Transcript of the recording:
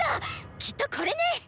きっとこれね！